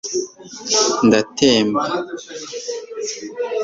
ndatemba